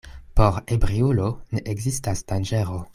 Por ebriulo ne ekzistas danĝero.